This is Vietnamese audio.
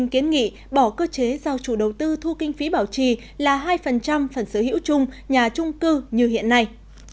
kiến nghị bỏ cơ chế giao chủ đầu tư thu kinh phí bảo trì là hai phần sở hữu chung nhà trung cư như hiện nay